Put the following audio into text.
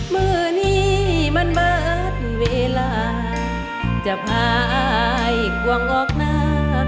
มือนี้มันเบิดเวลาจะพายกวงออกหน้า